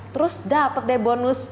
terus dapat bonus